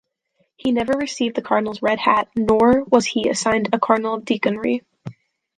He never received the cardinal's red hat nor was he assigned a cardinal-deaconry.